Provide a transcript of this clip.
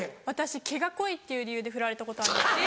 私毛が濃いっていう理由でふられたことあります。